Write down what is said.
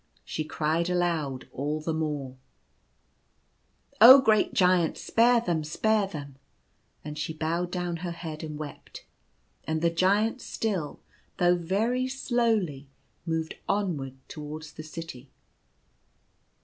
She cried aloud all the more, 44 Oh, great Giant ! spare them, spare them !" And she bowed down her head and wept, and the Giant still, though very slowly, moved onward towards the city.